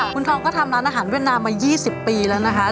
คุณทองก็ทำร้านอาหารเวียดนามมา๒๐ปีแล้วนะคะ